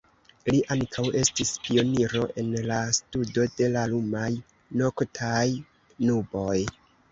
Li ankaŭ estis pioniro en la studo de la lumaj noktaj nuboj.